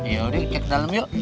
yaudah capek dalam yuk